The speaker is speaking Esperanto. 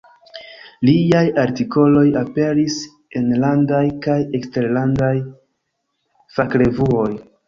Liaj artikoloj aperis enlandaj kaj eksterlandaj fakrevuoj.